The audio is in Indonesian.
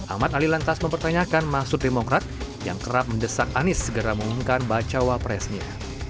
ahmad ali lantas mempertanyakan maksud demokrat yang kerap mendesak anies segera mengumumkan bakal calon wakil presiden